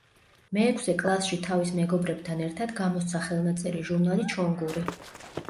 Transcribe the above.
მეექვსე კლასში თავის მეგობრებთან ერთად გამოსცა ხელნაწერი ჟურნალი „ჩონგური“.